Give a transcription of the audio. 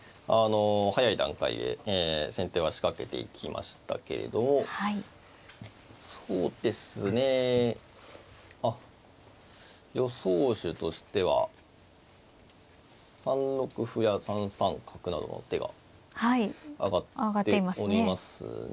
早い段階で先手は仕掛けていきましたけれどもそうですねあっ予想手としては３六歩や３三角などの手が挙がっておりますね。